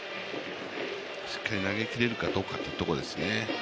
しっかり投げきれるかどうかというところですね。